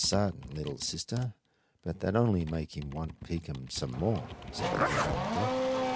sartin, little sister; but that only make him want peek um some more," said the little hunter.